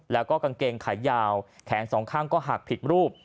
แล้วก็กางเกงขายาวแขนสองข้างก็หักผิดรูป